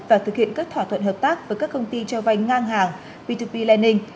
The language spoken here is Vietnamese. và thực hiện các thỏa thuận hợp tác với các công ty cho vay ngang hàng p hai p lending